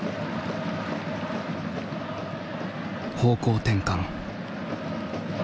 方向転換。